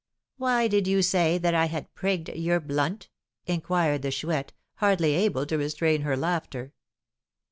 "Why did you say that I had 'prigged your blunt'?" inquired the Chouette, hardly able to restrain her laughter.